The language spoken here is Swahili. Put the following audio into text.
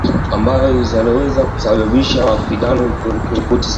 ambazo zinaweza kusababisha mapigano ikitoa ripoti za